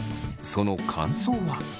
その感想は？